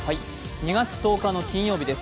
２月１０日の金曜日です。